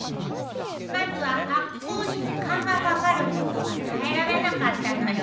まずは発酵に時間がかかることが耐えられなかったのよ。